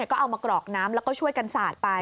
ก็เอามากรอกน้ำแล้วก็ช่วยกันสาดไป